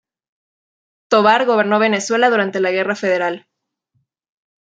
Tovar gobernó Venezuela durante la guerra Federal.